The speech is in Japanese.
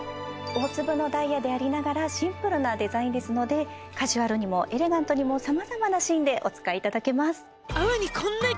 大粒のダイヤでありながらシンプルなデザインですのでカジュアルにもエレガントにも様々なシーンでお使いいただけます